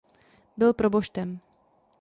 Byl proboštem.